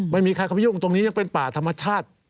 ไม่มีใครเข้าไปยุ่งตรงนี้ยังเป็นป่าธรรมชาติ